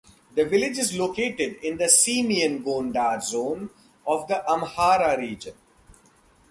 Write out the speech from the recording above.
The village is located in the Semien Gondar Zone of the Amhara Region.